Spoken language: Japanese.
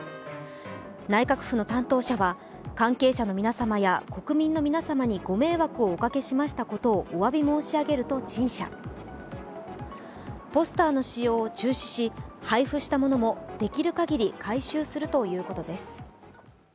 内閣府の担当者は、関係者の皆様や国民の皆様にご迷惑をおかけしましたことをおわび申し上げると陳謝、ポスターの使用を中止し配布したものもできるかぎり回収するということです。